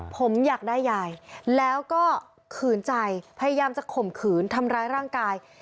ผมอยากได้ยายแล้วก็ขืนใจพยายามจะข่มขืนทำร้ายร่างกาย